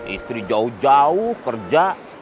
istri jauh jauh kerja